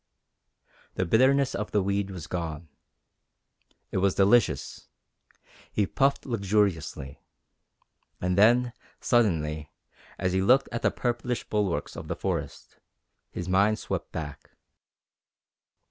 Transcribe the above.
The bitterness of the weed was gone. It was delicious. He puffed luxuriously. And then, suddenly, as he looked at the purplish bulwarks of the forest, his mind swept back.